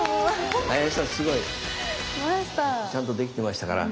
ちゃんとできてましたから。